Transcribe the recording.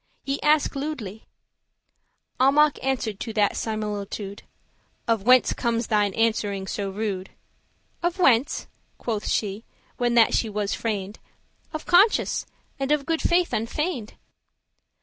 ye aske lewedly."* *ignorantly Almach answer'd to that similitude, "Of whence comes thine answering so rude?" "Of whence?" quoth she, when that she was freined,* *asked "Of conscience, and of good faith unfeigned."